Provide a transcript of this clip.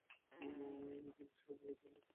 এজন্যই সেখানে গিয়েছিলে?